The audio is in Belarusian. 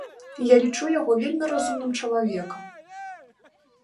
Я лічу яго вельмі разумным чалавекам.